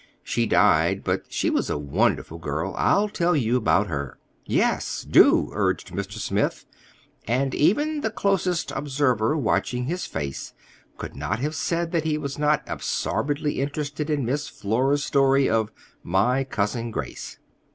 She died; but she was a wonderful girl. I'll tell you about her." "Yes, do," urged Mr. Smith; and even the closest observer, watching his face, could not have said that he was not absorbedly interested in Miss Flora's story of "my cousin Grace."